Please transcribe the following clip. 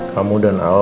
kamu dan al